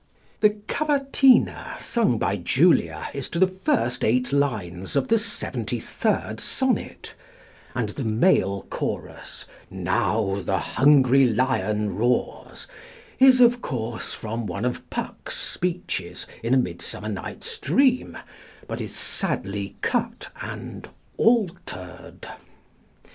The cavatina sung by Julia is to the first eight lines of the 73rd Sonnet; and the male chorus, "Now the hungry lion roars," is, of course, from one of Puck's speeches in A Midsummer Night's Dream, but is sadly cut and altered.